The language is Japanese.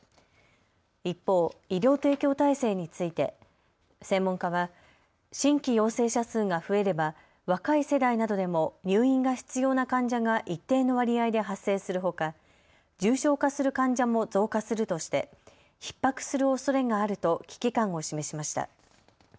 一方、医療提供体制について専門家は新規陽性者数が増えれば若い世代などでも入院が必要な患者が一定の割合で発生するほか重症化する患者も増加するとしてひっ迫するおそれがあると危機感を示しました。